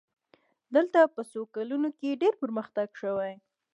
دلته په څو کلونو کې ډېر پرمختګ شوی.